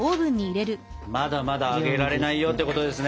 まだまだ揚げられないよってことですね。